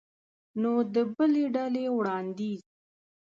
نو د بلې ډلې وړاندیز